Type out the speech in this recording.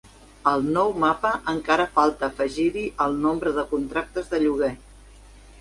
Al nou Mapa encara falta afegir-hi el nombre de contractes de lloguer